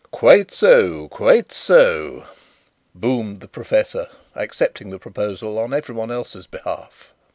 "Quite so; quite so," boomed the professor, accepting the proposal on everyone else's behalf.